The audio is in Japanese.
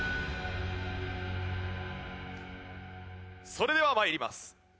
それでは参ります。